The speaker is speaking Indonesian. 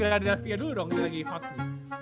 gradia dulu dong ini lagi vax nih